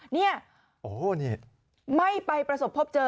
นี่ไม่ไปประสบพบเจอ